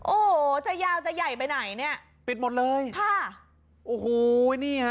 โอ้โหจะยาวจะใหญ่ไปไหนเนี่ยปิดหมดเลยค่ะโอ้โหนี่ฮะ